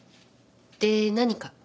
で何か？